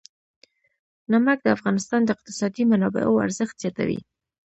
نمک د افغانستان د اقتصادي منابعو ارزښت زیاتوي.